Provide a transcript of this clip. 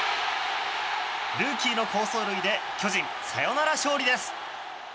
ルーキーの好走塁で巨人、サヨナラ勝利です。